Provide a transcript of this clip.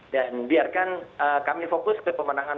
dan biarkan kami fokus ke pemenangan